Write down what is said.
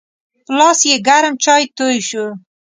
په لاس یې ګرم چای توی شو.